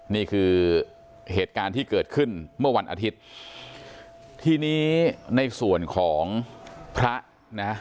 นี่คือเหตุการณ์ที่เกิดขึ้นเมื่อวันอาทิตย์ทีนี้ในส่วนของพระนะ